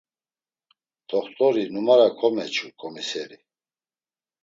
T̆oxt̆ori numara komeçu ǩomiseri.